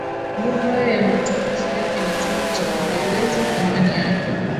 Lugha na matumizi yake ni chombo cha kujieleleza thamani yake